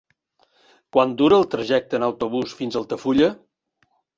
Quant dura el trajecte en autobús fins a Altafulla?